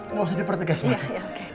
nggak usah dipertegas mak